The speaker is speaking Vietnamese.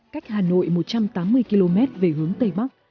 cách hà nội một trăm tám mươi km về hướng tây bắc